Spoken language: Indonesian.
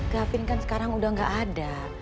gavin kan sekarang udah gak ada